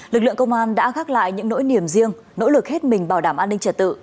lực lượng công an đã gác lại những nỗi niềm riêng nỗ lực hết mình bảo đảm an ninh trật tự